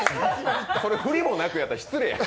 それ、フリもなくやったら失礼や。